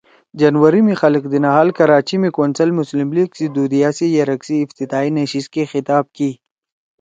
جنوری می خالق دینا حال کراچی می کونسل مسلم لیگ سی دُو دیِا سی یرک سی افتتاحی نشست کے خطاب کی